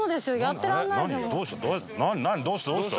どうした？